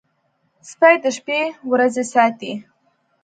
سپي د شپې ورځي ساتي.